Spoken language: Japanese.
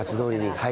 はい。